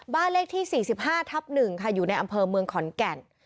บ้านเลขที่สี่สิบห้าทับหนึ่งค่ะอยู่ในอำเภอเมืองขอนแก่น